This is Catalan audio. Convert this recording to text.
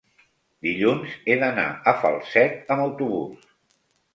dilluns he d'anar a Falset amb autobús.